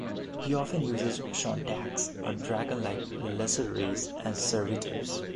He often uses Shantaks, a dragon-like "lesser race", as servitors.